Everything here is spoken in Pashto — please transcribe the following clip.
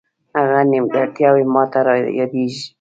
هغه نیمګړتیاوې ماته را یادې کړې.